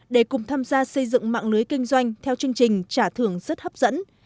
để cùng tham gia xây dựng mạng lưới kinh doanh theo chương trình trả thưởng rất hấp dẫn